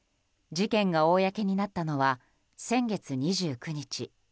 事件が公になったのは先月２９日。